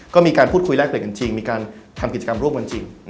ก็มีการพูดคุยแลกเปลี่ยนกันจริงมีการทำกิจกรรมร่วมกันจริง